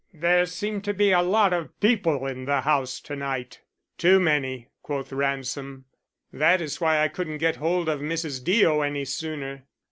There seem to be a lot of people in the house to night." "Too many," quoth Ransom. "That is why I couldn't get hold of Mrs. Deo any sooner.